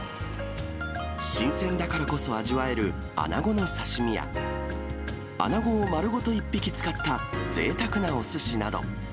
新鮮だからこそ味わえるアナゴの刺身や、アナゴを丸ごと１匹使ったぜいたくなおすしなど。